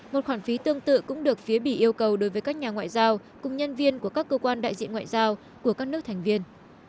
một khoản phí tương tự cũng được phía bỉ yêu cầu đối với các nhà ngoại giao cùng nhân viên của các cơ quan đại diện ngoại giao của các nước thành viên